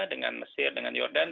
dengan mesir dengan jordan